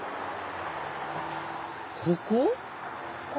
ここ？